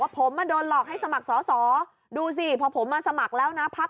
ผมมาโดนหลอกให้สมัครสอสอดูสิพอผมมาสมัครแล้วนะพัก